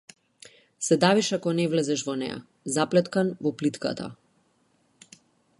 Се давиш ако не влезеш во неа, заплеткан во плитката.